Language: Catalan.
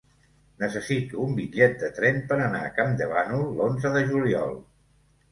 Necessito un bitllet de tren per anar a Campdevànol l'onze de juliol.